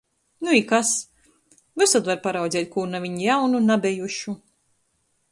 Nu i kas? Vysod var paraudzeit kū naviņ jaunu, nabejušu...